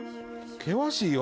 険しいよ